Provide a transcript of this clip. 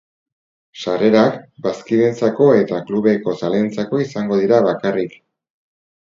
Sarrerak bazkideentzako eta klubeko zaleentzako izango dira bakarrik.